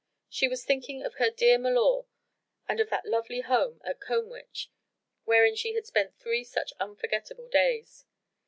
She was thinking of her dear milor and of that lovely home at Combwich wherein she had spent three such unforgettable days.